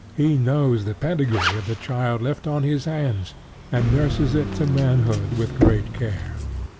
He knows the pedigree of the child left on his hands, and nurses it to manhood with great care.